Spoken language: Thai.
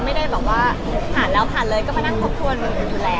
ก็ไม่ได้บอกว่าผ่านแล้วผ่านเลยก็มานั่งทบหัวเหมือนกันอยู่แล้ว